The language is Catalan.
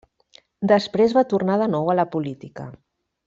Després va tornar de nou a la política.